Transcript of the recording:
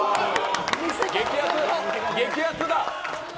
激アツ、激アツだ。